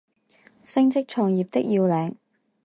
升職創業的要領